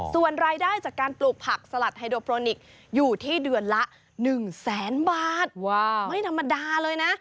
ส่วนรายได้จากการปลูกผักสลัดไฮโดโปรนิคอยู่ที่เดือนละ๑แสนบาทไม่ธรรมดาเลยนะ